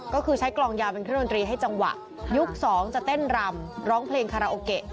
ก็คือใช้กลองยาวเป็นเครื่องดนตรีให้จังหวะยุค๒จะเต้นรำร้องเพลงคาราโอเกะ